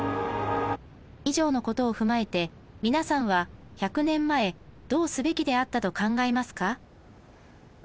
以上のことを踏まえて皆さんは１００年前どうすべきであったと考えますか？